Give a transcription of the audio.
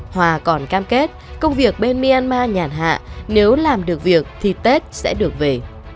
hòa còn cam kết công việc bên myanmar nhàn hạ nếu làm được việc thì tết sẽ được về